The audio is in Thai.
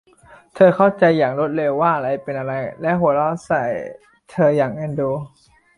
เธอเข้าใจอย่างรวดเร็วว่าอะไรเป็นอะไร และหัวเราะใส่เธออย่างเอ็นดู